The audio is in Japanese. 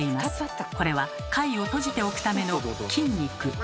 これは貝を閉じておくための筋肉。